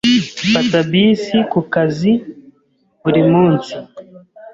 Mfata bisi kukazi buri munsi.